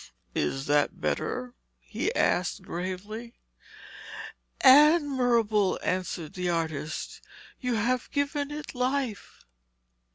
'Is that better?' he asked gravely. 'Admirable!' answered the artist. 'You have given it life.'